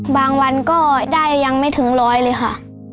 วันก็ได้ยังไม่ถึงร้อยเลยค่ะ